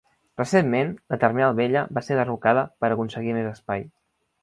Recentment la terminal vella va ser derrocada per aconseguir més espai.